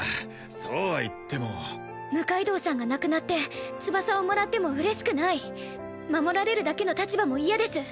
そうは言っても六階堂さんが亡くなって翼をもらっても嬉しくない守られるだけの立場も嫌です